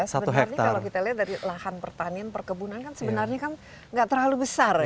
sebenarnya kalau kita lihat dari lahan pertanian perkebunan kan sebenarnya kan nggak terlalu besar ya